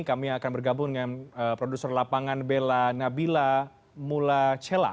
kami akan bergabung dengan produser lapangan bella nabila mulacela